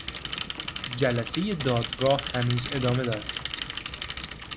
جلسهی دادگاه هنوز ادامه دارد.